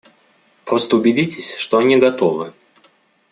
Просто убедитесь, что они готовы.